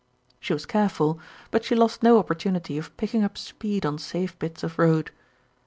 She was careful; but she lost no opportunity of picking up speed on safe bits of road.